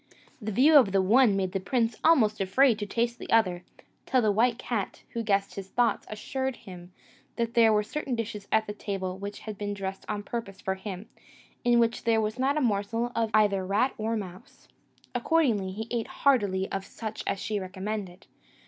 The view of the one made the prince almost afraid to taste the other, till the white cat, who guessed his thoughts, assured him that there were certain dishes at table which had been dressed on purpose for him, in which there was not a morsel of either rat or mouse: accordingly, he ate heartily of such as she recommended.